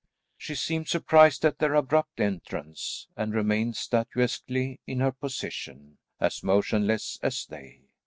She seemed surprised at their abrupt entrance and remained statuesquely in her position, as motionless as they.